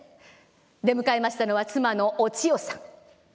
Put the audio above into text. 出迎えましたのは妻のお千代さん。